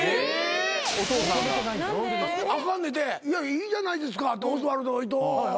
「いいじゃないですかオズワルド伊藤」